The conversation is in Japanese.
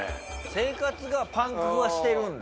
生活がパンクしてるんだ？